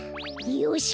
よし！